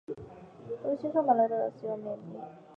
中国西双版纳的傣族过去也使用缅历。